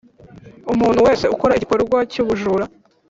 Umuntu wese ukora igikorwa cy ubujura